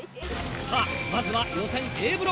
さぁまずは。